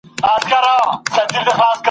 نن به د خوشحال د قبر ړنګه جنډۍ څه وايي ,